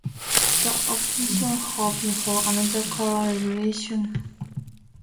The opposition hoped for another color revolution, but analysts doubted this would happen.